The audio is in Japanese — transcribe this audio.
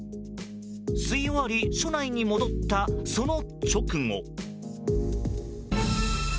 吸い終わり署内に戻ったその直後。